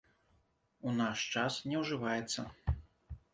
У наш час не ўжываецца.